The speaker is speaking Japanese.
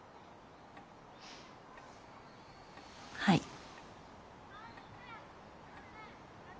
はい。